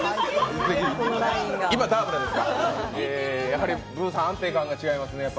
やはりブウさん、安定感が違いますね。